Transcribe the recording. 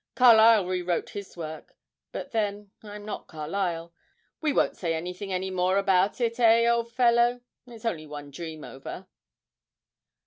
Carlyle rewrote his work; but then I'm not Carlyle. We won't say anything any more about it, eh, old fellow? It's only one dream over.'